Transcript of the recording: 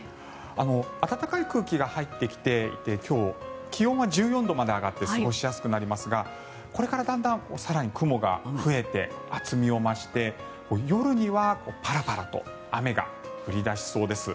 暖かい空気が入ってきていて今日、気温は１４度まで上がって過ごしやすくなりますがこれからだんだん更に雲が増えて厚みを増して、夜にはパラパラと雨が降り出しそうです。